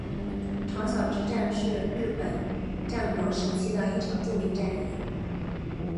长筱之战是是日本战国时期的一场著名战役。